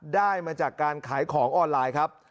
ได้มาจากการขายของออนไลน์ครับ